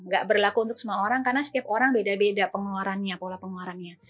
gak berlaku untuk semua orang karena setiap orang beda beda pengeluarannya pola pengeluarannya